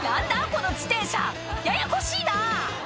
この自転車ややこしいな！